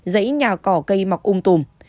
dãy nhà cỏ cây mọc ung tùm